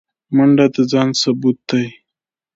منډه د ځان ثبوت دی